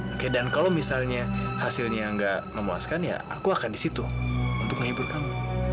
oke dan kalau misalnya hasilnya nggak memuaskan ya aku akan di situ untuk menghibur kamu